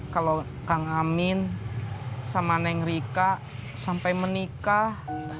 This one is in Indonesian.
kalau kang amin sama neng rika sampai menikah